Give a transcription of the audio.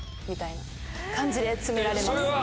みたいな感じで詰められます。